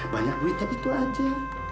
banyak duitnya itu aja